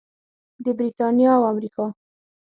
د بریتانیا او امریکا.